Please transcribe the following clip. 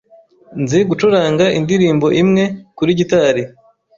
Nzi gucuranga indirimbo imwe kuri gitari.